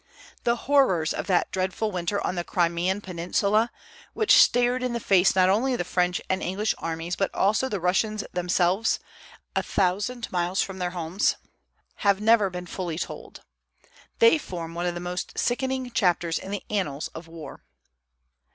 The horrors of that dreadful winter on the Crimean peninsula, which stared in the face not only the French and English armies but also the Russians themselves, a thousand miles from their homes, have never been fully told. They form one of the most sickening chapters in the annals of war.